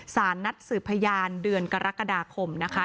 สารนัดสืบพยานเดือนกรกฎาคมนะคะ